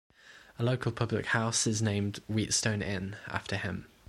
A local public house is named The Wheatstone Inn after him.